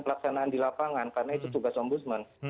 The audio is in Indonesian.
pelaksanaan di lapangan karena itu tugas aung budsman